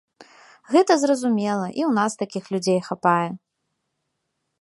Гэта зразумела і ў нас такіх людзей хапае.